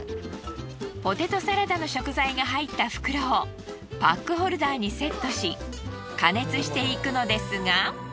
ポテトサラダの食材が入った袋をパックホルダーにセットし加熱していくのですが。